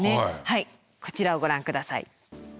はいこちらをご覧ください。